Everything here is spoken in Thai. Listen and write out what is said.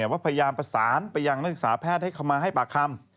ว่าพยายามประสานไปยังนักศึกษาแพทย์ให้เข้ามาให้ปากคำ